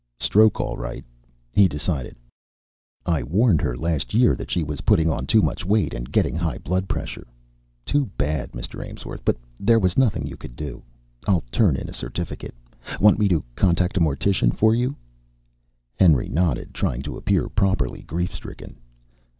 "Stroke, all right," he decided. "I warned her last year that she was putting on too much weight and getting high blood pressure. Too bad, Mr. Aimsworth, but there was nothing you could do. I'll turn in a certificate. Want me to contact a mortician for you?" Henry nodded, trying to appear properly grief stricken.